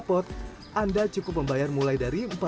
selain itu anda juga bisa memberi makan beragam jenis satwa